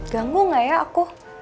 ganggu gak ya aku